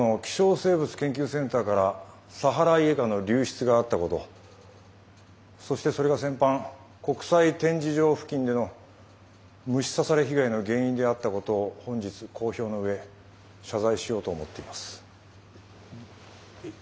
生物研究センターからサハライエカの流出があったことそしてそれが先般国際展示場付近での虫刺され被害の原因であったことを本日公表の上謝罪しようと思っています。